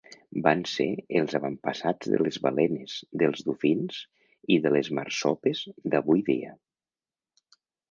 Van ser els avantpassats de les balenes, dels dofins i de les marsopes d'avui dia.